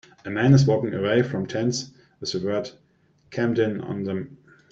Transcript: A man is walking away from tents with the word Camden on them.